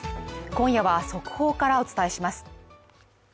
今夜は速報からお伝えします。